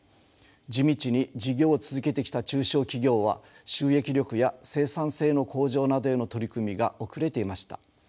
地道に事業を続けてきた中小企業は収益力や生産性の向上などへの取り組みが遅れていました。